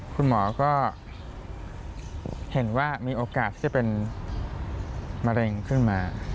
คุณหมอก็เห็นว่ามีโอกาสที่จะเป็นมะเร็งขึ้นมา